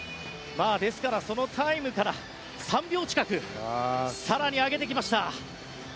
ですから、そのタイムから３秒近く更に上げてきました。